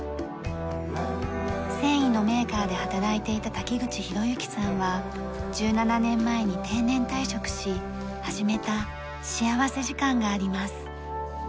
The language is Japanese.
繊維のメーカーで働いていた滝口博之さんは１７年前に定年退職し始めた幸福時間があります。